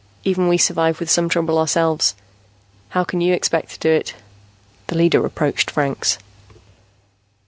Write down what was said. Even we survive with some trouble, ourselves. How can you expect to do it?" The leader approached Franks.